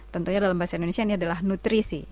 tentunya dalam bahasa indonesia ini adalah nutrisi